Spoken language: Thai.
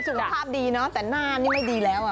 สุขภาพดีเนอะแต่หน้านี่ไม่ดีแล้ว